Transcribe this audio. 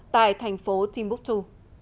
tại thành phố timbuktu